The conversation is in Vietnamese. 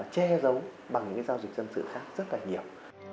che giấu bằng những cái giao dịch dân sự